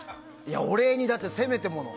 お礼に、だって、せめてもの。